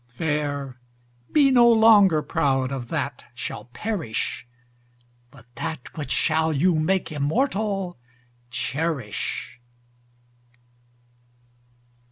Fair be no longer proud of that shall perish, But that which shall you make immortal, cherish.